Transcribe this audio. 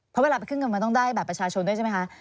เพราะเวลาไปขึ้นเงินมันต้องได้บัตรประชาชนด้วยใช่ไหมคะ